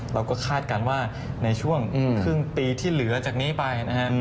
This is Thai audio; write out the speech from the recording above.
คาดการณ์ว่าในช่วงครึ่งปีที่เหลือจากนี้ไปนะฮะ